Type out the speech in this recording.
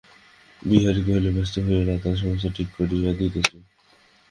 বিহারী কহিল, ব্যস্ত হইয়ো না দাদা, সমস্ত ঠিক করিয়া দিতেছি।